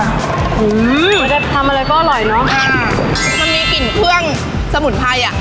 อืมมันจะทำอะไรก็อร่อยเนอะค่ะมันมีกลิ่นเครื่องสมุนไพรอ่ะ